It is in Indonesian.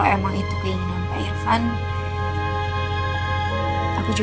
ya mungkin dia takut media jadi tahu terus